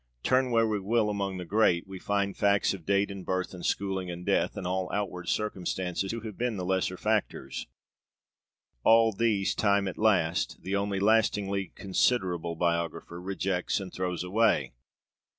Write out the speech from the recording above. Turn where we will among the great, we find facts of date and birth and schooling and death and all outward circumstance to have been the lesser factors. All these Time at last the only lastingly considerable biographer rejects and throws away.